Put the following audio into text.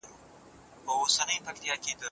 موږ له ماڼۍ څخه ډګر ته وړاندي تللي یو.